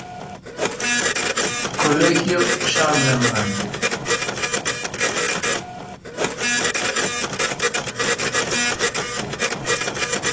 Pasó parte esencial de su vida en el "Colegio Charlemagne".